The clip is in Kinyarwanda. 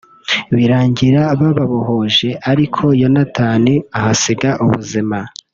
birangira bababohoje ariko Yonatan ahasiga ubuzima